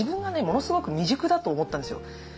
ものすごく未熟だと思ったんですよ。